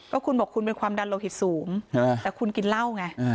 ก็คุณบอกคุณเป็นความดันโลหิตสูงแต่คุณกินเหล้าไง